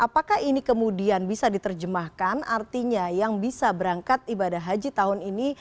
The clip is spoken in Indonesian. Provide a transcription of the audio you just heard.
apakah ini kemudian bisa diterjemahkan artinya yang bisa berangkat ibadah haji tahun ini